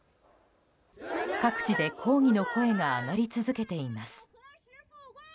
各地で抗議の声が上がり続けています。